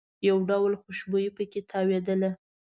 یو ډول خوشبويي په کې تاوېدله.